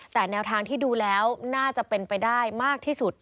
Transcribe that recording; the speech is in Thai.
แต่แนวทางที่ดูแล้วน่าจะเป็นไปได้มากที่สุด